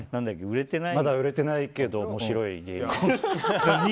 まだ売れてないけど面白い芸人。